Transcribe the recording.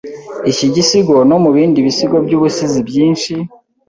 iki gisigo no mubindi bisigo byubusizi Byinshi